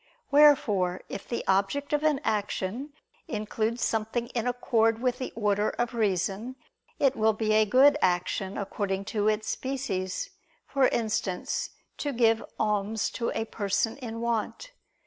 Wherefore if the object of an action includes something in accord with the order of reason, it will be a good action according to its species; for instance, to give alms to a person in want.